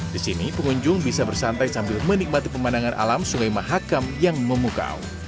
di sini pengunjung bisa bersantai sambil menikmati pemandangan alam sungai mahakam yang memukau